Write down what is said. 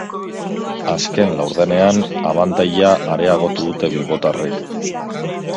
Azken laurdenean abantaila areagotu dute bilbotarrek.